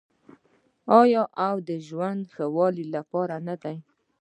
آیا او د ژوند د ښه کولو لپاره نه دی؟